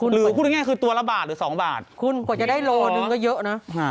หรือพูดง่ายคือตัวละบาทหรือ๒บาทคุณกว่าจะได้โลหนึ่งก็เยอะนะ